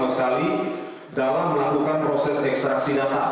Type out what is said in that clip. karyawan ini tidak bergantung sama sekali dalam melakukan proses ekstraksi data